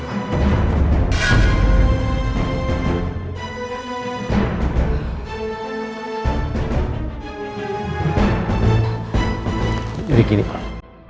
jadi gini pak